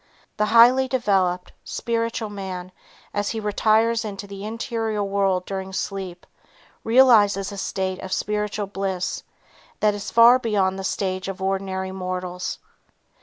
The highly developed, spiritual man as he retires into the interior world during sleep, realizes a state of spiritual bliss that is far beyond the stage of ordinary mortals.